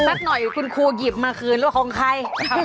สักหน่อยคุณครูหยิบมาคืนว่าของใคร